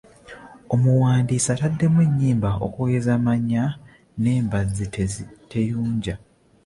Omuwandiisi ataddemu ennyimba okugeza Maanya ne Mbazzi teyunja.